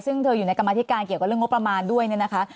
ซึ่งเธออยู่ในกรรมธิการเกี่ยวกับเรื่องงบประมาณด้วยเนี่ยนะคะ